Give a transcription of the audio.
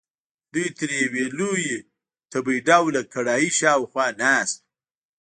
دوی تر یوې لویې تبۍ ډوله کړایۍ شاخوا ناست وو.